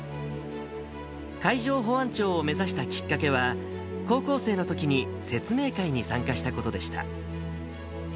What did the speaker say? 海上保安庁を目指したきっかけは、高校生のときに説明会に参加したことでした。